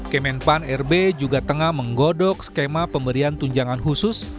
kemenpan rb juga tengah menggodok skema pemberian tunjangan khusus